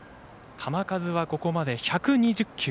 球数はここまで１２０球。